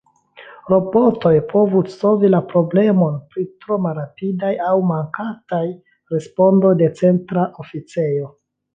Robotoj povus solvi la problemon pri tro malrapidaj aŭ mankantaj respondoj de Centra Oficejo.